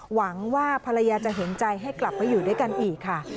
หวังว่าภรรยาจะเห็นใจให้กลับมาอยู่ด้วยกันอีกค่ะ